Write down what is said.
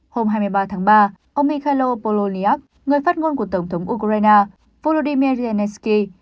hôm hai mươi ba tháng ba ông mikhail polonyak người phát ngôn của tổng thống ukraine volodymyr zelenskyy